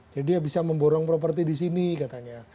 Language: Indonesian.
jadi dia bisa memborong properti di sini katanya